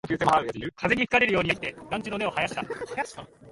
風に吹かれるようにやってきて、団地に根を生やした